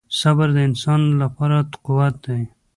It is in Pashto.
• صبر د انسان لپاره قوت دی.